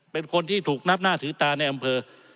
เป็นคนที่ถูกนับหน้าถือตาในอำเภอ